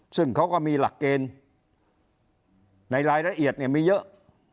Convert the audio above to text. ซึ่งเขาก็มีหลักเกณฑ์ในรายละเอียดเนี่ยมีเยอะ